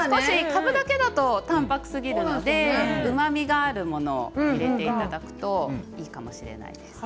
かぶだけだと淡泊すぎるのでうまみがあるものを入れていただくといいかもしれないですね。